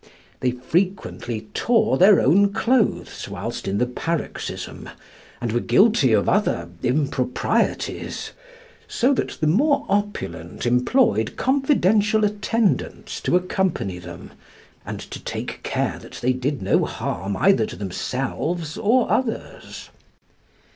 They frequently tore their own clothes whilst in the paroxysm, and were guilty of other improprieties, so that the more opulent employed confidential attendants to accompany them, and to take care that they did no harm either to themselves or others.